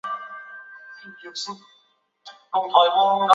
后来成为沃伦法院的自由派成员而广为人知。